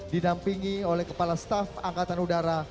didampingi oleh kepala staf angkatan udara